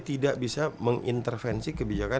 tidak bisa mengintervensi kebijakan